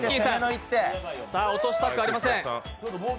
さあ、落としたくありません。